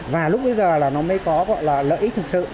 và lúc bây giờ là nó mới có gọi là lợi ích thực sự